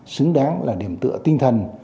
xứng đáng là điểm tựa tinh thần